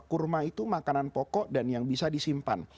kurma itu makanan pokok dan yang bisa disimpan